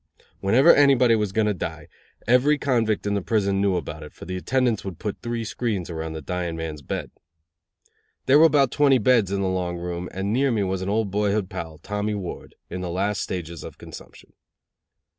Whenever anybody was going to die, every convict in the prison knew about it, for the attendants would put three screens around the dying man's bed. There were about twenty beds in the long room, and near me was an old boyhood pal, Tommy Ward, in the last stages of consumption.